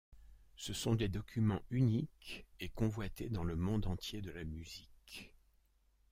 Ce sont des documents uniques et convoités dans le monde entier de la musique.